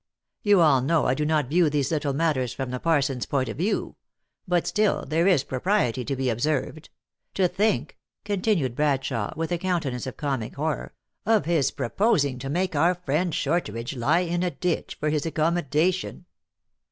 You all know I do not view these little matters from the parson s point of view ; but still, there is a pro priety to be observed. To think," continued Brad shawe, with a countenance of comic horror, "of his proposing to make our friend Shortridge lie in a ditch, for his accommodation